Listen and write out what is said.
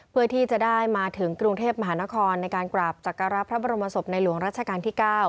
เพื่อที่จะได้มาถึงกรุงเทพมหานครในการกราบศักระพระบรมศพในหลวงรัชกาลที่๙